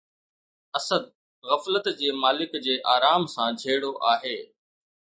اسد غفلت جي مالڪ جي آرام سان جهيڙو آهي!